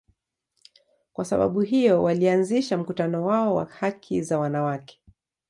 Kwa sababu hiyo, walianzisha mkutano wao wa haki za wanawake.